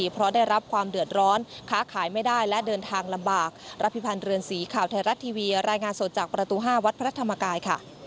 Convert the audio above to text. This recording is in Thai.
เพราะได้รับความเดือดร้อนค้าขายไม่ได้และเดินทางลำบาก